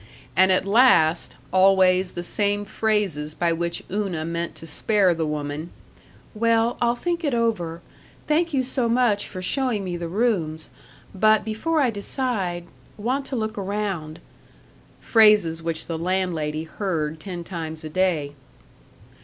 And at last, always the same phrases by which Una meant to spare the woman: "Well, I'll think it over. Thank you so much for showing me the rooms, but before I decide Want to look around " Phrases which the landlady heard ten times a day.